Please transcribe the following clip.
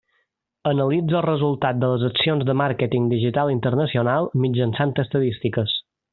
Analitza el resultat de les accions de màrqueting digital internacional, mitjançant estadístiques.